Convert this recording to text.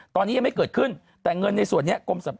ตอนนี้ยังไม่เกิดขึ้นแต่เงินในส่วนนี้กรม